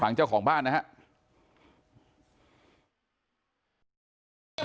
ฟังเจ้าของบ้านนะฮะ